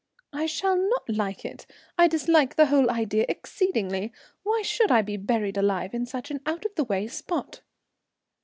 "I shall not like it. I dislike the whole idea exceedingly. Why should I be buried alive in such an out of the way spot?"